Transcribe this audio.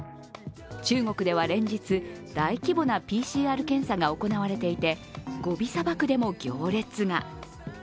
中国では連日、大規模なＰＣＲ検査が行われていて、ゴビ砂漠でも行列が。